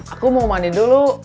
aku mau mandi dulu